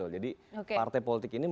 jadi partai politik ini